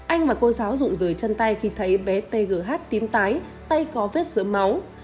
anh và cô giáo rụ rời chân tay khi thấy bé tgh tím tái tay có vết dỡ máu